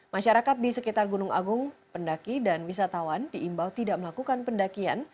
masyarakat di sekitar gunung agung pendaki dan wisatawan diimbau tidak melakukan pendakian